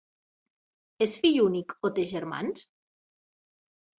És fill únic o té germans?